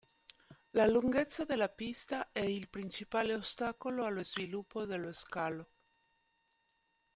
La lunghezza della pista è il principale ostacolo allo sviluppo dello scalo.